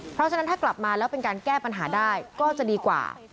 เพราะฉะนั้นถ้ากลับมาแล้วเป็นการแก้ปัญหาได้ก็จะดีกว่า